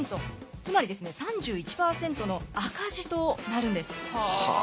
つまりですね３１％の赤字となるんです。